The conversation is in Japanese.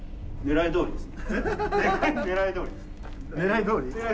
ねらいどおりです。